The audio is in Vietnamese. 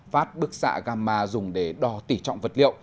vát bức xạ gamma dùng để đò tỉ trọng vật liệu